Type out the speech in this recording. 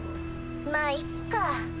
まっいっか。